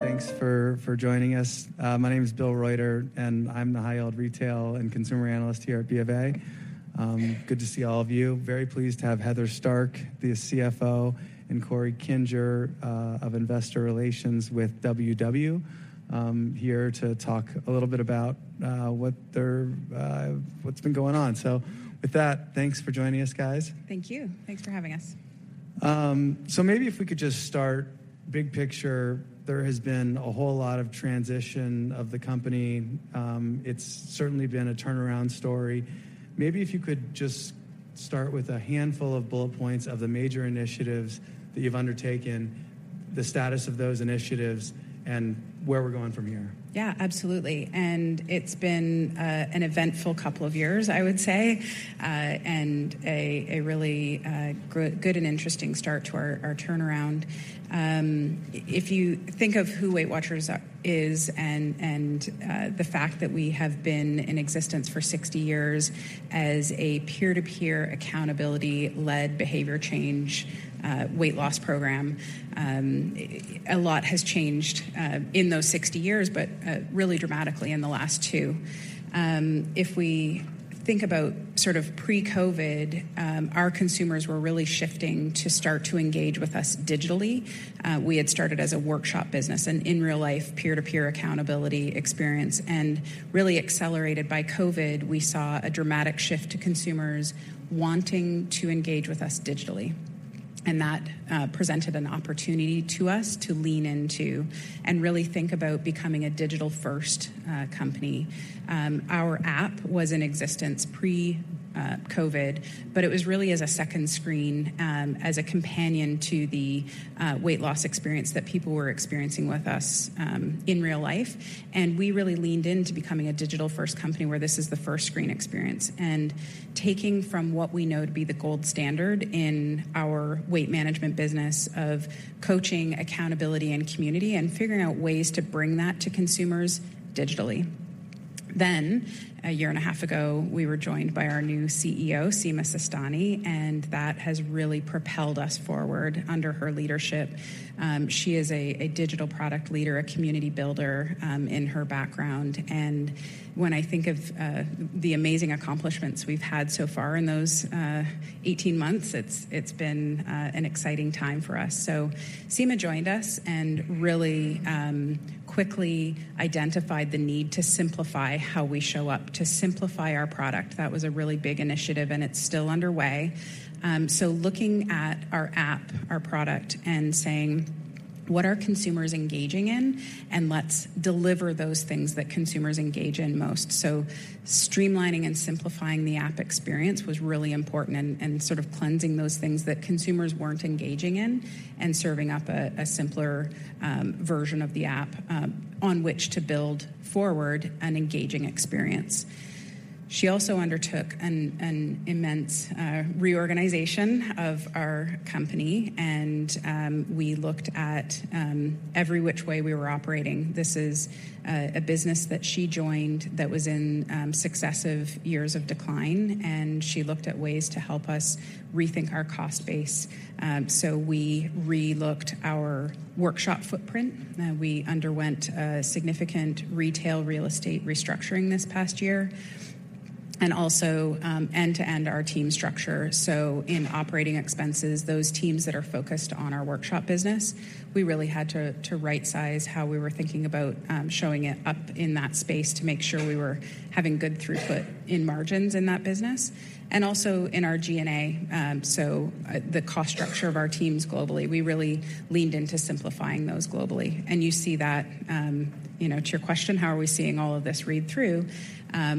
Thanks for joining us. My name is Bill Reuter, and I'm the High Yield Retail and Consumer Analyst here at BofA. Good to see all of you. Very pleased to have Heather Stark, the CFO, and Corey Kinger of Investor Relations with WW here to talk a little bit about what's been going on. With that, thanks for joining us, guys. Thank you. Thanks for having us. So maybe if we could just start big picture, there has been a whole lot of transition of the company. It's certainly been a turnaround story. Maybe if you could just start with a handful of bullet points of the major initiatives that you've undertaken, the status of those initiatives, and where we're going from here. Yeah, absolutely. It's been an eventful couple of years, I would say, and a really good and interesting start to our turnaround. If you think of who WeightWatchers is and the fact that we have been in existence for 60 years as a peer-to-peer, accountability-led, behavior change weight loss program, a lot has changed in those 60 years, but really dramatically in the last 2. If we think about sort of pre-COVID, our consumers were really shifting to start to engage with us digitally. We had started as a workshop business and in real life, peer-to-peer accountability experience, and really accelerated by COVID, we saw a dramatic shift to consumers wanting to engage with us digitally. That presented an opportunity to us to lean into and really think about becoming a digital-first company. Our app was in existence pre COVID, but it was really as a second screen as a companion to the weight loss experience that people were experiencing with us in real life. And we really leaned in to becoming a digital-first company, where this is the first screen experience, and taking from what we know to be the gold standard in our weight management business of coaching, accountability, and community, and figuring out ways to bring that to consumers digitally. Then, a year and a half ago, we were joined by our new CEO, Sima Sistani, and that has really propelled us forward under her leadership. She is a digital product leader, a community builder in her background. When I think of the amazing accomplishments we've had so far in those 18 months, it's been an exciting time for us. Sima joined us and really quickly identified the need to simplify how we show up, to simplify our product. That was a really big initiative, and it's still underway. So looking at our app, our product, and saying: "What are consumers engaging in? And let's deliver those things that consumers engage in most." So streamlining and simplifying the app experience was really important and sort of cleansing those things that consumers weren't engaging in and serving up a simpler version of the app on which to build forward an engaging experience. She also undertook an immense reorganization of our company, and we looked at every which way we were operating. This is a business that she joined that was in successive years of decline, and she looked at ways to help us rethink our cost base. So we relooked our workshop footprint, we underwent a significant retail real estate restructuring this past year, and also end-to-end our team structure. So in operating expenses, those teams that are focused on our workshop business, we really had to rightsize how we were thinking about showing it up in that space to make sure we were having good throughput in margins in that business and also in our G&A. So the cost structure of our teams globally, we really leaned into simplifying those globally. And you see that... You know, to your question, how are we seeing all of this read through?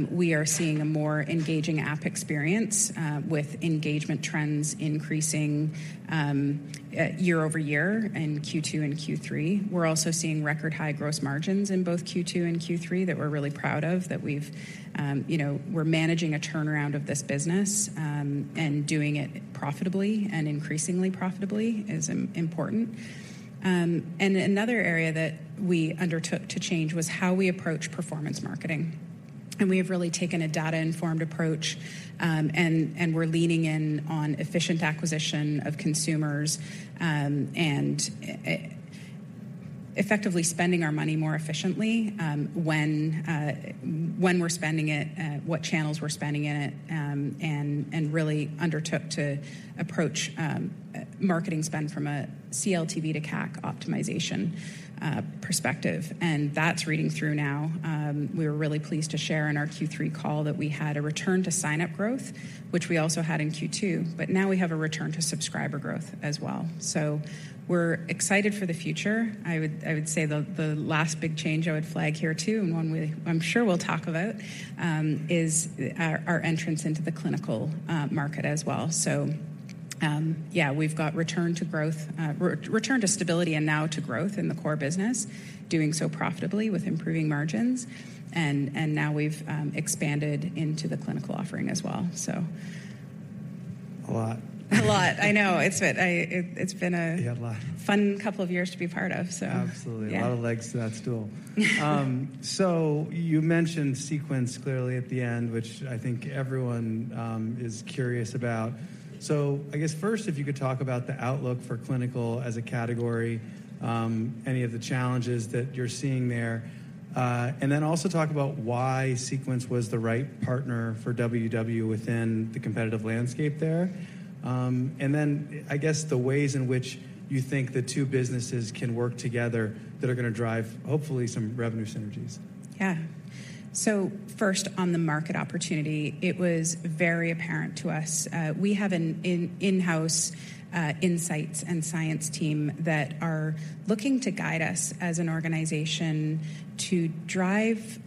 We are seeing a more engaging app experience, with engagement trends increasing year over year in Q2 and Q3. We're also seeing record high gross margins in both Q2 and Q3 that we're really proud of, that we've, you know, we're managing a turnaround of this business, and doing it profitably and increasingly profitably is important. And another area that we undertook to change was how we approach performance marketing. We have really taken a data-informed approach, and we're leaning in on efficient acquisition of consumers, and effectively spending our money more efficiently, when we're spending it, what channels we're spending it, and really undertook to approach marketing spend from a CLTV to CAC optimization perspective. And that's reading through now. We were really pleased to share in our Q3 call that we had a return to sign-up growth, which we also had in Q2, but now we have a return to subscriber growth as well. So we're excited for the future. I would say the last big change I would flag here, too, and one I'm sure we'll talk about, is our entrance into the clinical market as well. So, yeah, we've got return to growth, return to stability and now to growth in the core business, doing so profitably with improving margins, and now we've expanded into the clinical offering as well. So, ...A lot. A lot, I know. It's been a- Yeah, a lot. Fun couple of years to be part of, so. Absolutely. Yeah. A lot of legs to that stool. So you mentioned Sequence clearly at the end, which I think everyone is curious about. So I guess first, if you could talk about the outlook for clinical as a category, any of the challenges that you're seeing there, and then also talk about why Sequence was the right partner for WW within the competitive landscape there. And then I guess the ways in which you think the two businesses can work together that are going to drive, hopefully, some revenue synergies. Yeah. So first, on the market opportunity, it was very apparent to us. We have an in-house insights and science team that are looking to guide us as an organization to drive,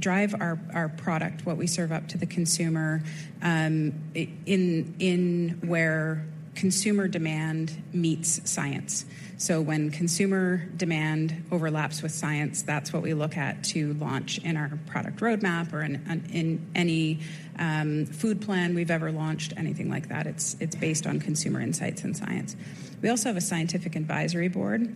drive our, our product, what we serve up to the consumer, in where consumer demand meets science. So when consumer demand overlaps with science, that's what we look at to launch in our product roadmap or in any food plan we've ever launched, anything like that. It's, it's based on consumer insights and science. We also have a scientific advisory board,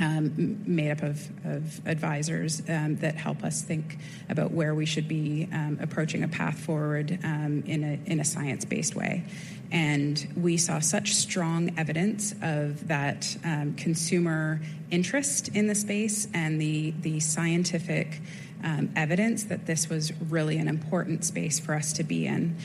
made up of advisors that help us think about where we should be approaching a path forward in a science-based way. And we saw such strong evidence of that, consumer interest in the space and the scientific evidence that this was really an important space for us to be in.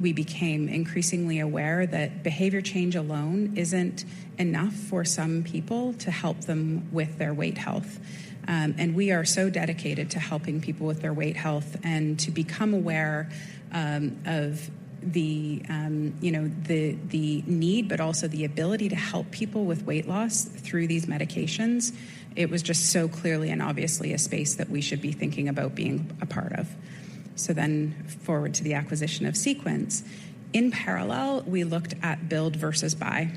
We became increasingly aware that behavior change alone isn't enough for some people to help them with their weight health. And we are so dedicated to helping people with their weight health and to become aware of the, you know, the need, but also the ability to help people with weight loss through these medications. It was just so clearly and obviously a space that we should be thinking about being a part of. So then forward to the acquisition of Sequence. In parallel, we looked at build versus buy.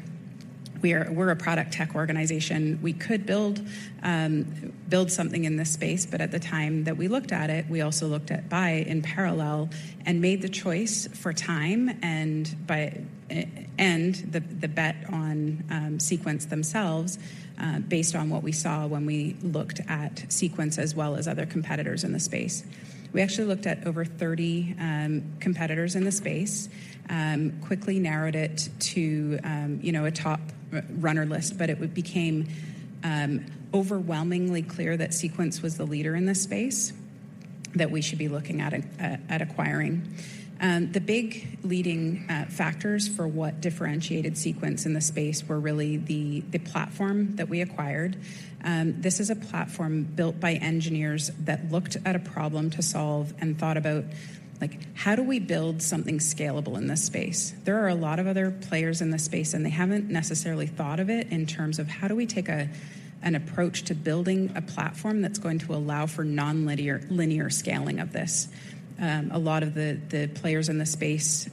We're a product tech organization. We could build something in this space, but at the time that we looked at it, we also looked at buying in parallel and made the choice for time and buying and the bet on Sequence themselves based on what we saw when we looked at Sequence as well as other competitors in the space. We actually looked at over 30 competitors in the space quickly narrowed it to you know a top runner list, but it became overwhelmingly clear that Sequence was the leader in this space, that we should be looking at acquiring. The big leading factors for what differentiated Sequence in the space were really the platform that we acquired. This is a platform built by engineers that looked at a problem to solve and thought about, like: How do we build something scalable in this space? There are a lot of other players in this space, and they haven't necessarily thought of it in terms of how do we take an approach to building a platform that's going to allow for non-linear, linear scaling of this. A lot of the players in the space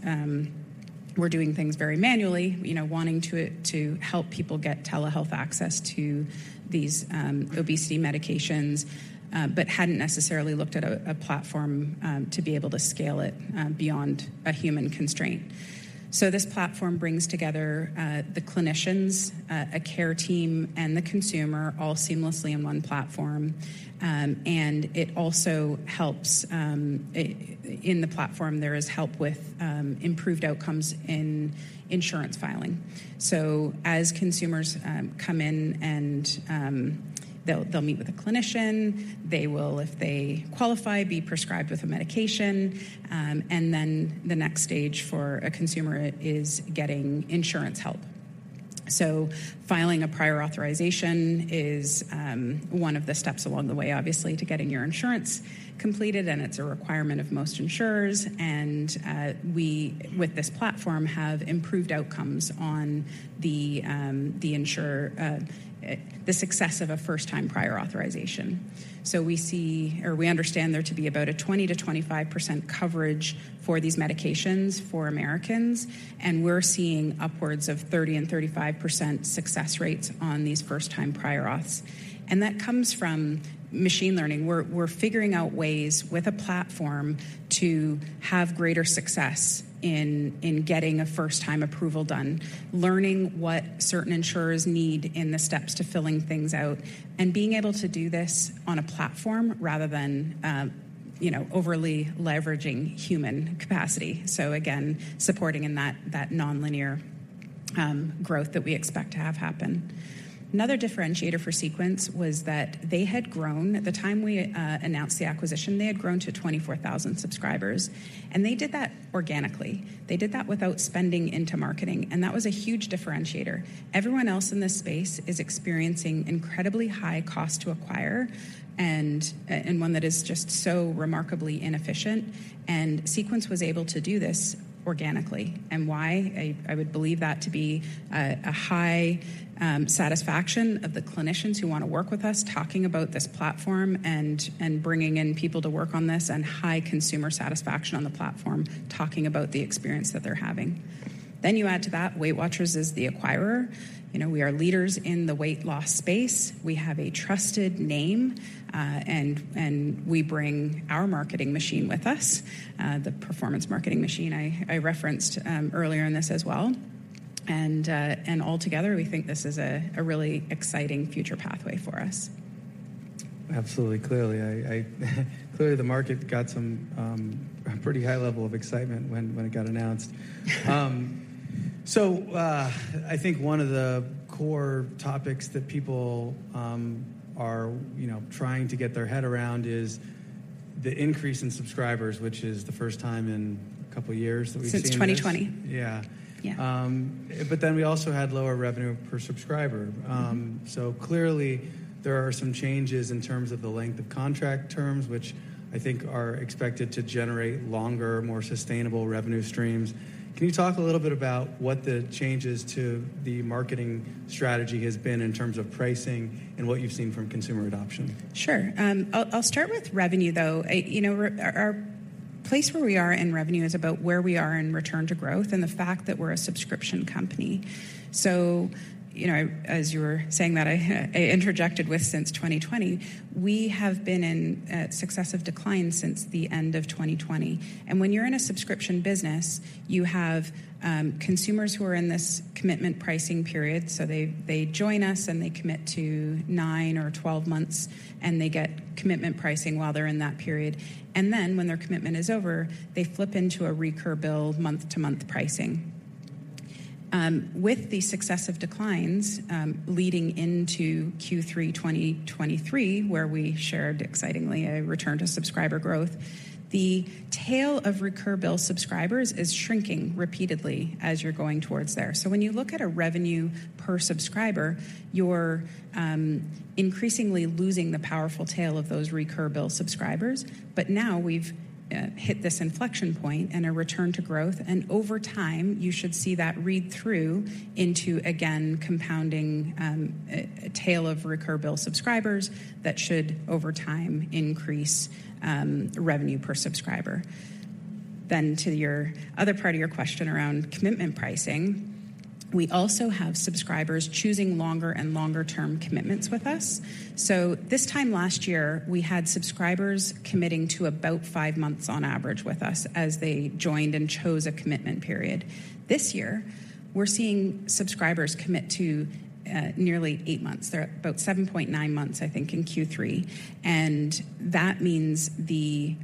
were doing things very manually, you know, wanting to help people get telehealth access to these obesity medications, but hadn't necessarily looked at a platform to be able to scale it beyond a human constraint. So this platform brings together the clinicians, a care team, and the consumer all seamlessly in one platform. And it also helps... In the platform, there is help with improved outcomes in insurance filing. So as consumers come in and they'll meet with a clinician, they will, if they qualify, be prescribed with a medication, and then the next stage for a consumer is getting insurance help. So filing a prior authorization is one of the steps along the way, obviously, to getting your insurance completed, and it's a requirement of most insurers, and we, with this platform, have improved outcomes on the success of a first-time prior authorization. So we see or we understand there to be about a 20%-25% coverage for these medications for Americans, and we're seeing upwards of 30%-35% success rates on these first-time prior auths. And that comes from machine learning. We're figuring out ways with a platform to have greater success in getting a first-time approval done, learning what certain insurers need in the steps to filling things out, and being able to do this on a platform rather than, you know, overly leveraging human capacity. So again, supporting in that nonlinear growth that we expect to have happen. Another differentiator for Sequence was that they had grown. At the time we announced the acquisition, they had grown to 24,000 subscribers, and they did that organically. They did that without spending into marketing, and that was a huge differentiator. Everyone else in this space is experiencing incredibly high cost to acquire and one that is just so remarkably inefficient, and Sequence was able to do this organically. And why? I would believe that to be a high satisfaction of the clinicians who want to work with us, talking about this platform and bringing in people to work on this, and high consumer satisfaction on the platform, talking about the experience that they're having. Then you add to that, WeightWatchers is the acquirer. You know, we are leaders in the weight loss space. We have a trusted name, and we bring our marketing machine with us, the performance marketing machine I referenced earlier in this as well. And altogether, we think this is a really exciting future pathway for us. Absolutely. Clearly, I clearly the market got some a pretty high level of excitement when it got announced. So, I think one of the core topics that people are, you know, trying to get their head around is the increase in subscribers, which is the first time in a couple of years that we've seen this. Since 2020. Yeah. Yeah. But then we also had lower revenue per subscriber. Mm-hmm. Clearly there are some changes in terms of the length of contract terms, which I think are expected to generate longer, more sustainable revenue streams. Can you talk a little bit about what the changes to the marketing strategy has been in terms of pricing and what you've seen from consumer adoption? Sure. I'll start with revenue, though. You know, our place where we are in revenue is about where we are in return to growth and the fact that we're a subscription company. So, you know, as you were saying, that I interjected with since 2020, we have been in successive decline since the end of 2020. And when you're in a subscription business, you have consumers who are in this commitment pricing period. So they join us, and they commit to 9 or 12 months, and they get commitment pricing while they're in that period. And then when their commitment is over, they flip into a recur bill, month-to-month pricing. With the successive declines leading into Q3 2023, where we shared excitingly a return to subscriber growth, the tail of recur Bill subscribers is shrinking repeatedly as you're going towards there. So when you look at a revenue per subscriber, you're increasingly losing the powerful tail of those recur Bill subscribers. But now we've hit this inflection point and a return to growth, and over time, you should see that read through into, again, compounding a tail of recur Bill subscribers that should, over time, increase revenue per subscriber. Then to your other part of your question around commitment pricing, we also have subscribers choosing longer and longer-term commitments with us. So this time last year, we had subscribers committing to about five months on average with us as they joined and chose a commitment period. This year, we're seeing subscribers commit to nearly eight months. They're about 7.9 months, I think, in Q3. And that means the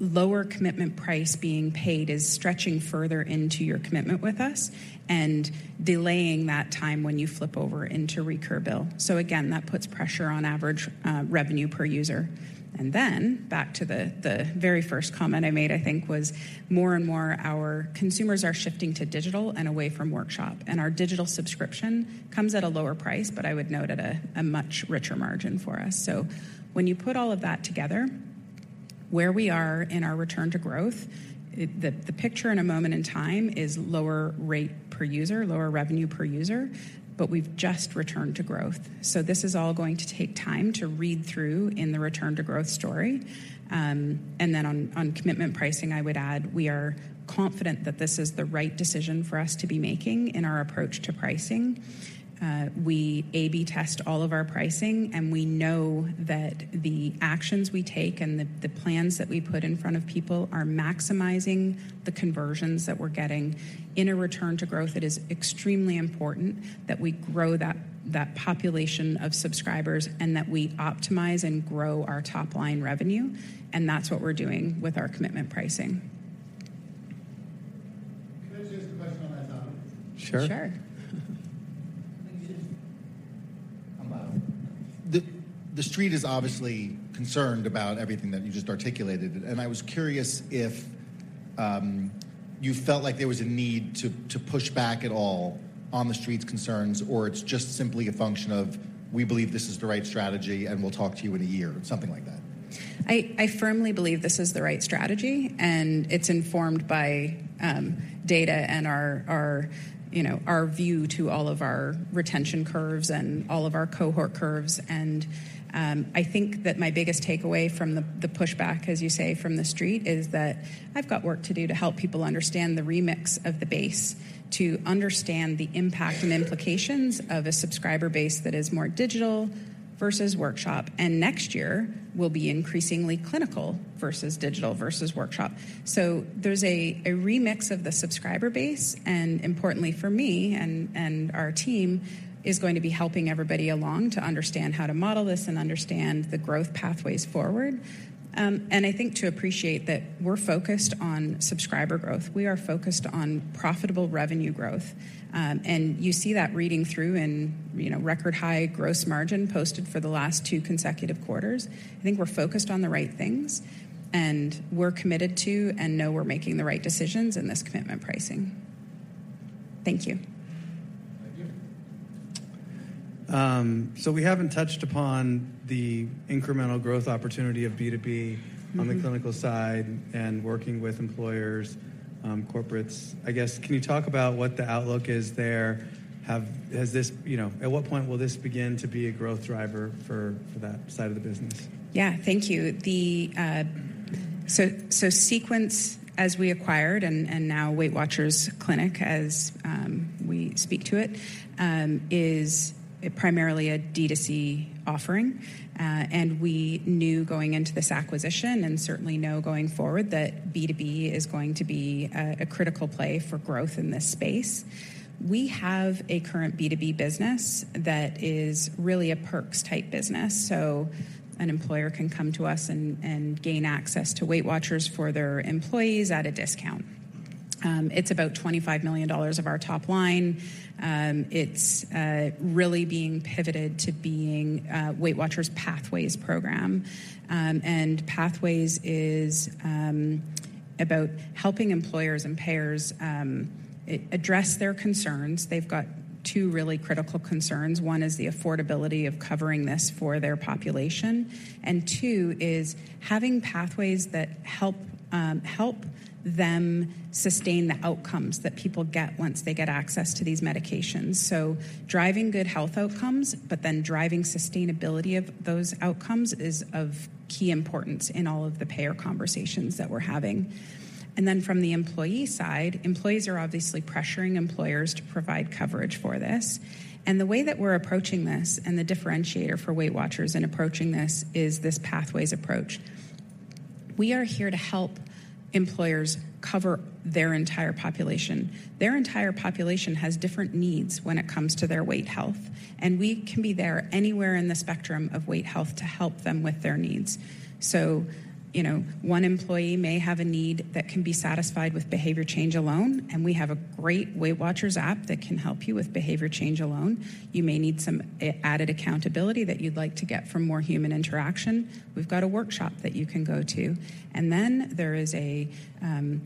lower commitment price being paid is stretching further into your commitment with us and delaying that time when you flip over into recur bill. So again, that puts pressure on average revenue per user. And then back to the very first comment I made, I think was more and more our consumers are shifting to digital and away from workshop, and our digital subscription comes at a lower price, but I would note at a much richer margin for us. So when you put all of that together, where we are in our return to growth, the picture in a moment in time is lower rate per user, lower revenue per user, but we've just returned to growth. This is all going to take time to read through in the return to growth story. And then on commitment pricing, I would add, we are confident that this is the right decision for us to be making in our approach to pricing. We A/B test all of our pricing, and we know that the actions we take and the plans that we put in front of people are maximizing the conversions that we're getting. In a return to growth, it is extremely important that we grow that population of subscribers and that we optimize and grow our top-line revenue, and that's what we're doing with our commitment pricing. Can I just ask a question on that topic? Sure. Sure. The Street is obviously concerned about everything that you just articulated, and I was curious if you felt like there was a need to push back at all on the Street's concerns, or it's just simply a function of: "We believe this is the right strategy, and we'll talk to you in a year," or something like that? I firmly believe this is the right strategy, and it's informed by data and our, our, you know, our view to all of our retention curves and all of our cohort curves. And I think that my biggest takeaway from the, the pushback, as you say, from the Street, is that I've got work to do to help people understand the remix of the base, to understand the impact and implications of a subscriber base that is more digital versus workshop. And next year will be increasingly clinical versus digital versus workshop. So there's a remix of the subscriber base, and importantly for me and our team, is going to be helping everybody along to understand how to model this and understand the growth pathways forward. And I think to appreciate that we're focused on subscriber growth. We are focused on profitable revenue growth. You see that reading through in, you know, record-high gross margin posted for the last two consecutive quarters. I think we're focused on the right things, and we're committed to and know we're making the right decisions in this commitment pricing. Thank you. Thank you. We haven't touched upon the incremental growth opportunity of B2B- Mm-hmm... on the clinical side and working with employers, corporates. I guess, can you talk about what the outlook is there? Has this... You know, at what point will this begin to be a growth driver for, for that side of the business? Yeah. Thank you. So, Sequence, as we acquired, and now WeightWatchers Clinic, as we speak to it, is primarily a D2C offering. And we knew going into this acquisition, and certainly know going forward, that B2B is going to be a critical play for growth in this space. We have a current B2B business that is really a perks-type business, so an employer can come to us and gain access to WeightWatchers for their employees at a discount. It's about $25 million of our top line. It's really being pivoted to being a WeightWatchers Pathways program. And Pathways is about helping employers and payers address their concerns. They've got two really critical concerns. One is the affordability of covering this for their population, and two is having pathways that help help them sustain the outcomes that people get once they get access to these medications. So driving good health outcomes, but then driving sustainability of those outcomes is of key importance in all of the payer conversations that we're having. Then from the employee side, employees are obviously pressuring employers to provide coverage for this. And the way that we're approaching this, and the differentiator for WeightWatchers in approaching this, is this pathways approach. We are here to help employers cover their entire population. Their entire population has different needs when it comes to their weight health, and we can be there anywhere in the spectrum of weight health to help them with their needs. So, you know, one employee may have a need that can be satisfied with behavior change alone, and we have a great WeightWatchers app that can help you with behavior change alone. You may need some added accountability that you'd like to get from more human interaction. We've got a workshop that you can go to. And then there is an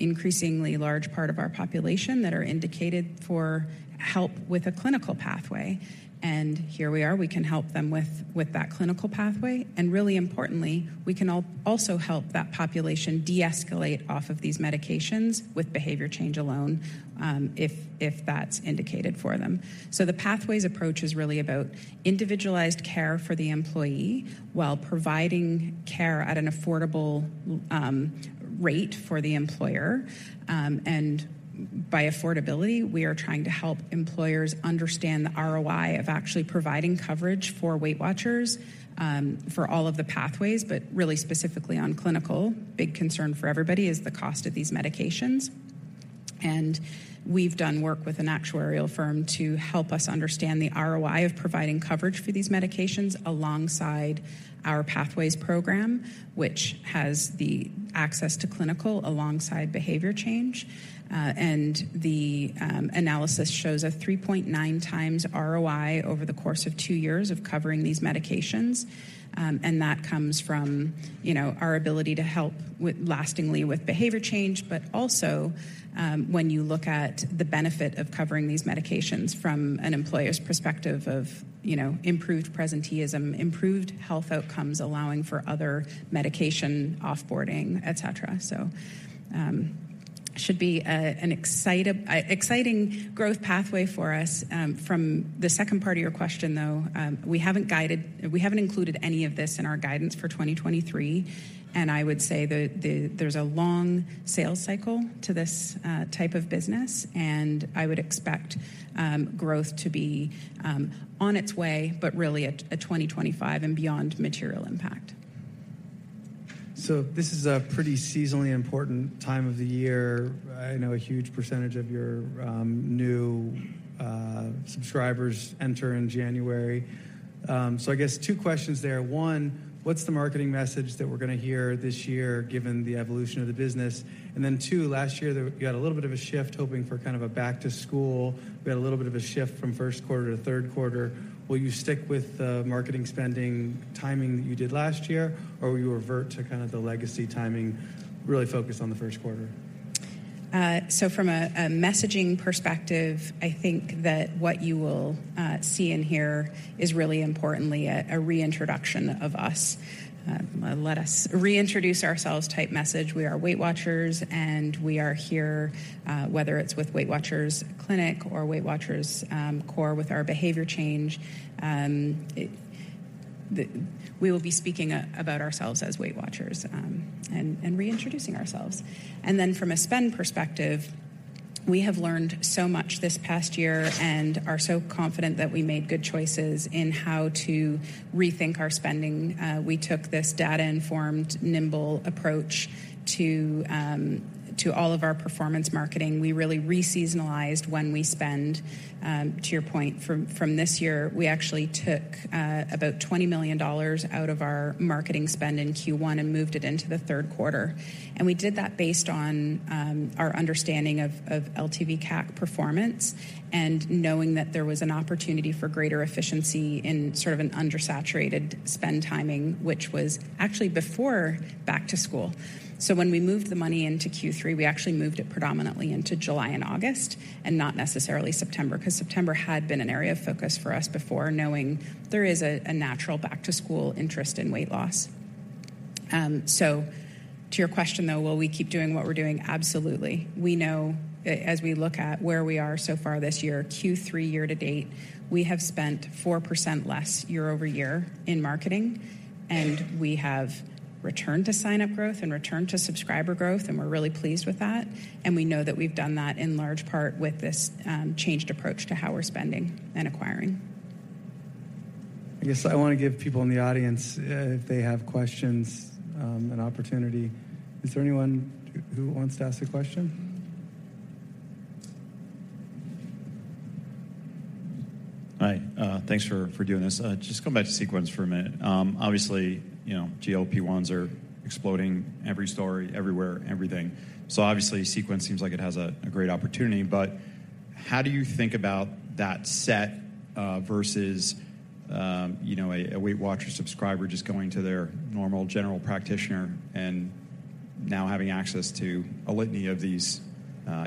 increasingly large part of our population that are indicated for help with a clinical pathway, and here we are. We can help them with that clinical pathway. And really importantly, we can also help that population deescalate off of these medications with behavior change alone, if that's indicated for them. So the pathways approach is really about individualized care for the employee while providing care at an affordable rate for the employer. And by affordability, we are trying to help employers understand the ROI of actually providing coverage for WeightWatchers, for all of the Pathways, but really specifically on clinical. Big concern for everybody is the cost of these medications, and we've done work with an actuarial firm to help us understand the ROI of providing coverage for these medications alongside our Pathways program, which has the access to clinical alongside behavior change. And the analysis shows a 3.9 times ROI over the course of two years of covering these medications. And that comes from, you know, our ability to help lastingly with behavior change, but also, when you look at the benefit of covering these medications from an employer's perspective of, you know, improved presenteeism, improved health outcomes, allowing for other medication, off-boarding, et cetera. So, should be an exciting growth pathway for us. From the second part of your question, though, we haven't included any of this in our guidance for 2023, and I would say that there's a long sales cycle to this type of business, and I would expect growth to be on its way, but really a 2025 and beyond material impact. So this is a pretty seasonally important time of the year. I know a huge percentage of your new subscribers enter in January. So I guess two questions there. One, what's the marketing message that we're gonna hear this year, given the evolution of the business? And then two, last year, there you had a little bit of a shift, hoping for kind of a back to school. We had a little bit of a shift from first quarter to third quarter. Will you stick with the marketing spending timing that you did last year, or will you revert to kind of the legacy timing, really focused on the first quarter? So from a messaging perspective, I think that what you will see and hear is really importantly a reintroduction of us. A let us reintroduce ourselves type message. We are WeightWatchers, and we are here, whether it's with WeightWatchers Clinic or WeightWatchers Core, with our behavior change. We will be speaking about ourselves as WeightWatchers, and reintroducing ourselves. And then from a spend perspective, we have learned so much this past year and are so confident that we made good choices in how to rethink our spending. We took this data-informed, nimble approach to all of our performance marketing. We really re-seasonalized when we spend. To your point, from this year, we actually took about $20 million out of our marketing spend in Q1 and moved it into the third quarter. And we did that based on our understanding of LTV CAC performance and knowing that there was an opportunity for greater efficiency in sort of an undersaturated spend timing, which was actually before back to school. So when we moved the money into Q3, we actually moved it predominantly into July and August and not necessarily September, because September had been an area of focus for us before, knowing there is a natural back-to-school interest in weight loss. So to your question, though, will we keep doing what we're doing? Absolutely. We know, as we look at where we are so far this year, Q3 year-to-date, we have spent 4% less year-over-year in marketing, and we have returned to sign-up growth and returned to subscriber growth, and we're really pleased with that. We know that we've done that in large part with this, changed approach to how we're spending and acquiring. I guess I want to give people in the audience, if they have questions, an opportunity. Is there anyone who wants to ask a question? Hi, thanks for doing this. Just going back to Sequence for a minute. Obviously, you know, GLP-1s are exploding, every story, everywhere, everything. So obviously, Sequence seems like it has a great opportunity. But how do you think about that set versus, you know, a WeightWatchers subscriber just going to their normal general practitioner and now having access to a litany of these,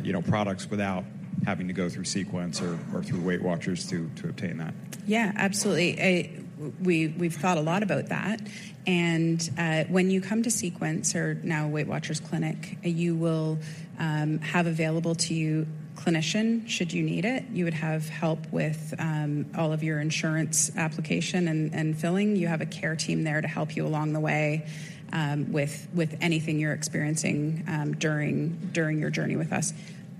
you know, products without having to go through Sequence or through WeightWatchers to obtain that? Yeah, absolutely. We've thought a lot about that, and when you come to Sequence or now a WeightWatchers Clinic, you will have available to you a clinician, should you need it. You would have help with all of your insurance application and filling. You have a care team there to help you along the way with anything you're experiencing during your journey with us.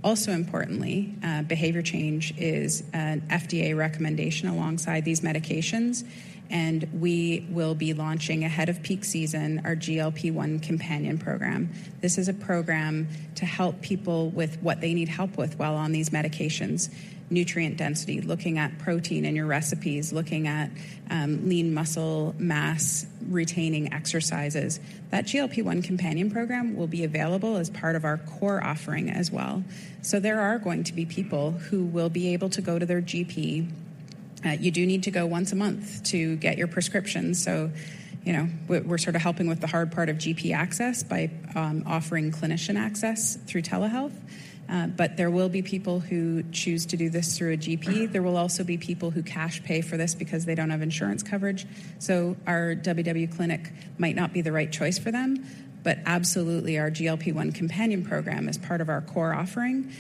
Also importantly, behavior change is an FDA recommendation alongside these medications, and we will be launching ahead of peak season, our GLP-1 Companion Program. This is a program to help people with what they need help with while on these medications. Nutrient density, looking at protein in your recipes, looking at lean muscle mass retaining exercises. That GLP-1 Companion Program will be available as part of our core offering as well. So there are going to be people who will be able to go to their GP. You do need to go once a month to get your prescription, so, you know, we're sort of helping with the hard part of GP access by offering clinician access through telehealth. But there will be people who choose to do this through a GP. There will also be people who cash pay for this because they don't have insurance coverage, so our WW Clinic might not be the right choice for them. But absolutely, our GLP-1 Companion Program, as part of our core offering,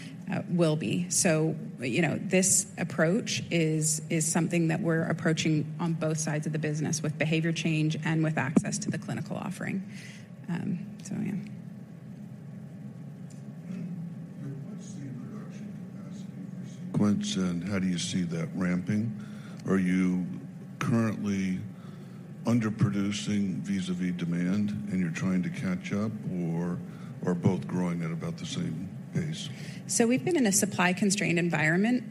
will be. So, you know, this approach is something that we're approaching on both sides of the business, with behavior change and with access to the clinical offering. So yeah. What's the production capacity for Sequence, and how do you see that ramping? Are you currently underproducing vis-a-vis demand, and you're trying to catch up, or are both growing at about the same pace? So we've been in a supply-constrained environment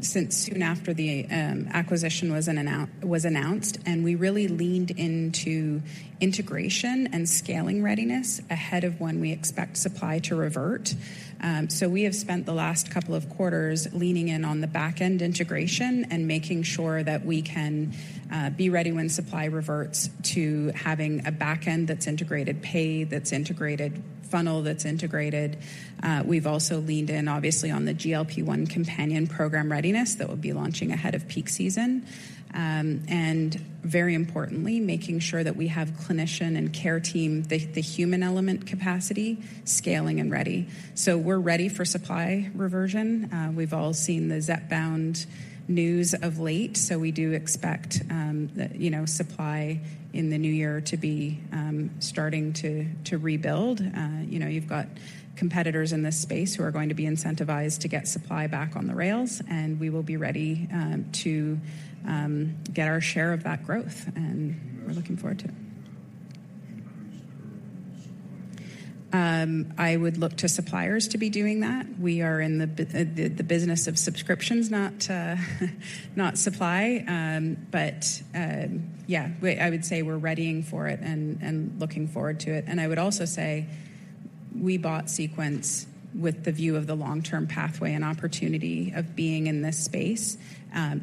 since soon after the acquisition was announced, and we really leaned into integration and scaling readiness ahead of when we expect supply to revert. So we have spent the last couple of quarters leaning in on the back-end integration and making sure that we can be ready when supply reverts to having a back end that's integrated pay, that's integrated funnel, that's integrated. We've also leaned in, obviously, on the GLP-1 Companion Program readiness that will be launching ahead of peak season. And very importantly, making sure that we have clinician and care team, the human element capacity, scaling and ready. So we're ready for supply reversion. We've all seen the Zepbound news of late, so we do expect the, you know, supply in the new year to be starting to rebuild. You know, you've got competitors in this space who are going to be incentivized to get supply back on the rails, and we will be ready to get our share of that growth, and we're looking forward to it. Increased supply. I would look to suppliers to be doing that. We are in the business of subscriptions, not, not supply. But I would say we're readying for it and looking forward to it. And I would also say, we bought Sequence with the view of the long-term pathway and opportunity of being in this space.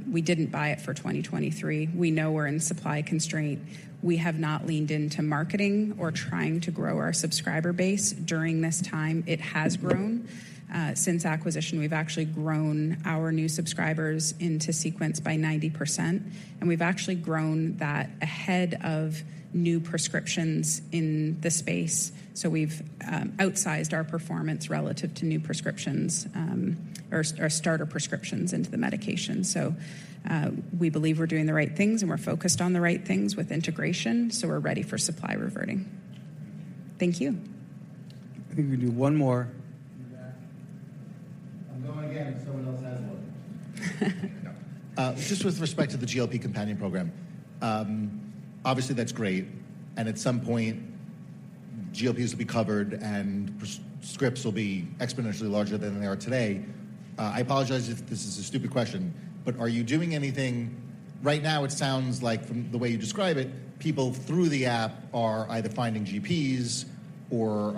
We didn't buy it for 2023. We know we're in supply constraint. We have not leaned into marketing or trying to grow our subscriber base during this time. It has grown. Since acquisition, we've actually grown our new subscribers into Sequence by 90%, and we've actually grown that ahead of new prescriptions in the space. So we've outsized our performance relative to new prescriptions, or starter prescriptions into the medication. We believe we're doing the right things, and we're focused on the right things with integration, so we're ready for supply reverting. Thank you. I think we can do one more. In the back. I'm going again if someone else has one. Just with respect to the GLP companion program, obviously, that's great, and at some point, GLPs will be covered, and prescriptions will be exponentially larger than they are today. I apologize if this is a stupid question, but are you doing anything... Right now, it sounds like from the way you describe it, people through the app are either finding GPs or,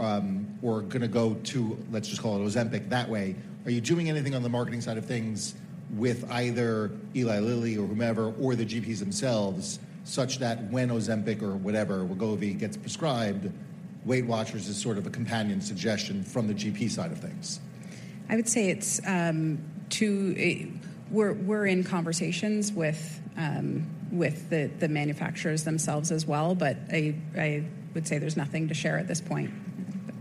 or gonna go to, let's just call it Ozempic, that way. Are you doing anything on the marketing side of things with either Eli Lilly or whomever or the GPs themselves, such that when Ozempic or whatever, Wegovy, gets prescribed, WeightWatchers is sort of a companion suggestion from the GP side of things? I would say it's. We're in conversations with the manufacturers themselves as well, but I would say there's nothing to share at this point.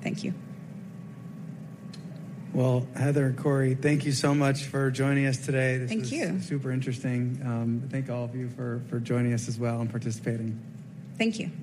Thank you. Well, Heather and Corey, thank you so much for joining us today. Thank you. This was super interesting. Thank all of you for joining us as well and participating. Thank you.